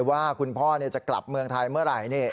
ว่าคุณพ่อจะกลับเมืองไทยเมื่อไหร่